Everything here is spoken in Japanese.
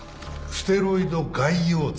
ステロイド外用剤？